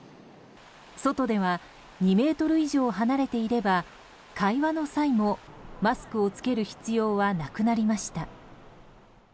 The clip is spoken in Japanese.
外では２ｍ以上離れていれば会話の際もマスクを着ける必要はなくなりました。